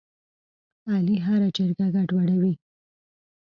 علي هره جرګه ګډوډوي.